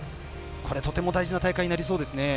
これ、とても大事な大会になりそうですね。